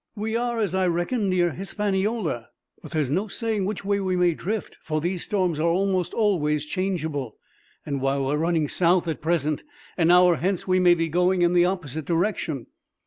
We are, as I reckon, near Hispaniola, but there is no saying which way we may drift; for these storms are almost always changeable, and while we are running south at present, an hour hence we may be going in the opposite direction."